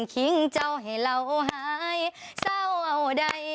คิงเจ้าให้เราหายเศร้าใด